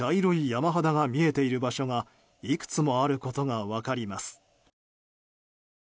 山肌が見えている場所がいくつもあることが分かります。